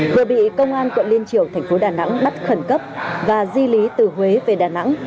vừa bị công an quận liên triều thành phố đà nẵng bắt khẩn cấp và di lý từ huế về đà nẵng